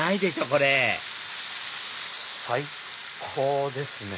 これ最高ですね。